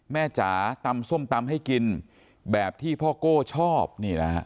จ๋าตำส้มตำให้กินแบบที่พ่อโก้ชอบนี่นะฮะ